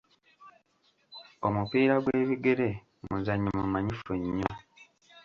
Omupiira gw'ebigere muzannyo mumanyifu nnyo.